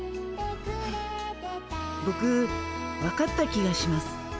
ボク分かった気がします。